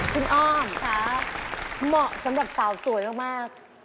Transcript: คุณอ้อมค่ะเหมาะสำหรับสาวสวยมาก